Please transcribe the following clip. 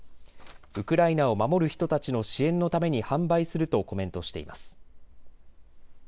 ウクライナを守る人たちの支援のために販売するとコメントしています。